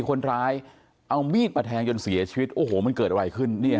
คนร้ายเอามีดมาแทงจนเสียชีวิตโอ้โหมันเกิดอะไรขึ้น